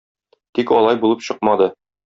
Тик алай булып чыкмады.